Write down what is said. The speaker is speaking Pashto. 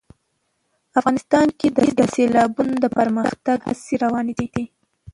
افغانستان کې د سیلابونه د پرمختګ هڅې روانې دي.